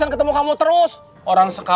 kita akan berjepit di versi selanjutnya